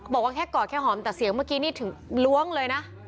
บอกว่าแค่กอดแค่หอมแต่เสียงเมื่อกี้นี่ถึงล้วงเลยนะ